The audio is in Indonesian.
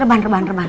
reban reban reban